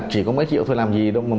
chỉ có mấy triệu thôi làm gì đâu